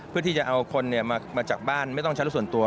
เพื่อที่จะเอาคนมาจากบ้านไม่ต้องใช้รถส่วนตัว